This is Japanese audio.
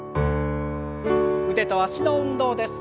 腕と脚の運動です。